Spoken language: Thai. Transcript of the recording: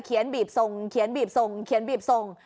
เขียนบีบทรงเขียนบีบทรงเขียนบีบทรง